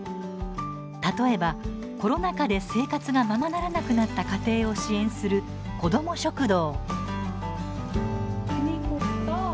例えば、コロナ禍で生活がままならなくなった家庭を支援する、子ども食堂。